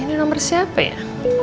ini nomor siapa ya